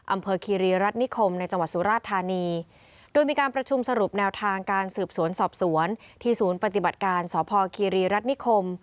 คดีคีรีรัฐนิคมในจังหวัดสุราชธานีโดยมีการประชุมสรุปแนวทางการสืบสวนสอบสวนที่ศูนย์ปฏิบัติการสพคีรีรัฐนิคม